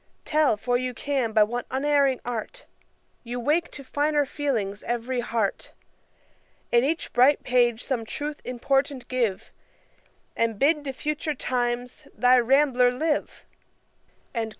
Tell, for you can, by what unerring art You wake to finer feelings every heart; In each bright page some truth important give, And bid to future times thy RAMBLER live?